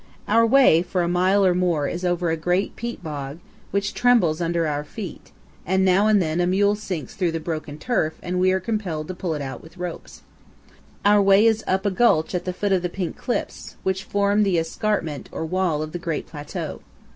Our way for a mile or more is over a great peat bog, which trembles under our feet, and now and then a mule sinks through the broken turf and we are compelled to pull it out with ropes. Passing the bog, our way is up a gulch at the foot of the Pink Cliffs, which form the escarpment, or wall, of the great plateau.